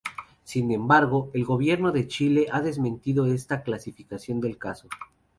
Sin embargo, el Gobierno de Chile ha desestimado esta calificación del caso.